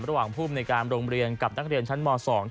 ภูมิในการโรงเรียนกับนักเรียนชั้นม๒